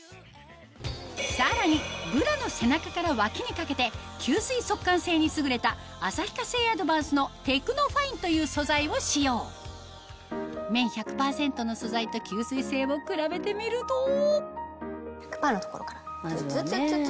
さらにブラの背中から脇にかけて吸水速乾性に優れた旭化成アドバンスのテクノファインという素材を使用綿１００％の素材と吸水性を比べてみると１００％の所から。